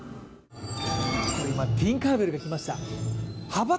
今、ティンカー・ベルが来ました。